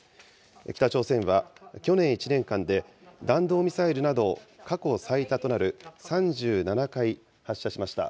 北朝鮮は去年１年間で、弾道ミサイルなどを過去最多となる３７回発射しました。